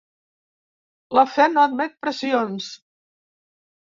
La fe no admet pressions.